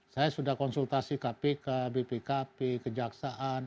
saya sudah konsultasi kpk bpkp kejaksaan